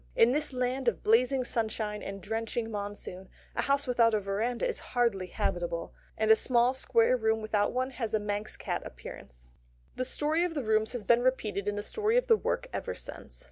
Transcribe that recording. In this land of blazing sunshine and drenching monsoon a house without a verandah is hardly habitable, and a small square room without one has a Manx cat appearance. The story of the rooms has been repeated in the story of the work ever since.